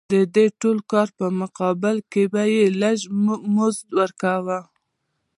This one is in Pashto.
د دې ټول کار په مقابل کې به یې لږ مزد ورکاوه